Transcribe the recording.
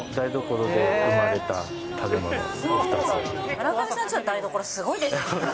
村上さんちの台所、すごいですね。